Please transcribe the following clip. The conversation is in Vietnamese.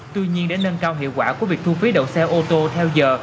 tuy nhiên để nâng cao hiệu quả của việc thu phí đậu xe ô tô theo giờ